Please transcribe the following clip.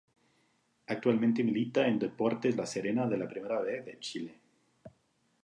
Actualmente milita en Deportes La Serena de la Primera B de Chile.